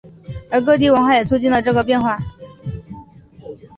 而各地文化也促进了这个变化。